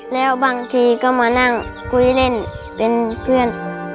แล้วบางทีก็มานั่งคุยเล่นเป็นเพื่อน